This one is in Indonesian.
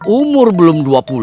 umur belum dua puluh